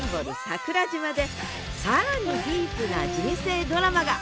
桜島で更にディープな人生ドラマが！